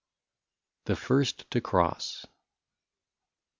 ii8 THE FIRST TO CROSS.